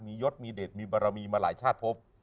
มียศมีเดชมีบารมีมาหลายชาติพบ